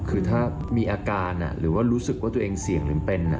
คือถ้ามีอาการหรือว่ารู้สึกว่าตัวเองเสี่ยงหรือเป็น